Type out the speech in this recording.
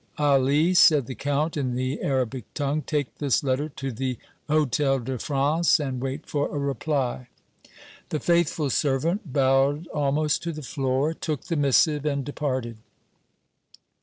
"Ali," said the Count, in the Arabic tongue, "take this letter to the Hôtel de France and wait for a reply." The faithful servant bowed almost to the floor, took the missive and departed.